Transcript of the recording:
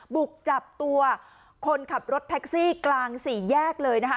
บุกจับตัวคนขับรถแท็กซี่กลางสี่แยกเลยนะคะ